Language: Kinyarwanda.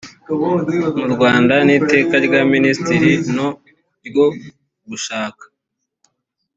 mu rwanda n iteka rya minisitiri no ryo gushaka